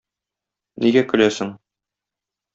Нигә көләсең?